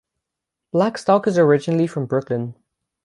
Blackstock is originally from Brooklyn.